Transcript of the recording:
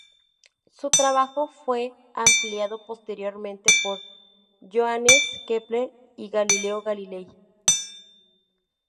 Su trabajo fue ampliado posteriormente por Johannes Kepler y Galileo Galilei.